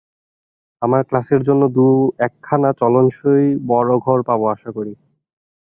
আমার ক্লাসের জন্য দু-একখানা চলনসই বড় ঘর পাব, আশা করি।